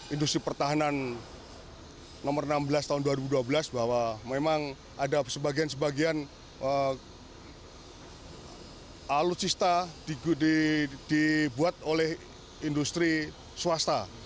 industri pertahanan nomor enam belas tahun dua ribu dua belas bahwa memang ada sebagian sebagian alutsista dibuat oleh industri swasta